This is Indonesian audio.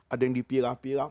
ada yang dipilah pilah